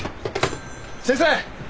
先生。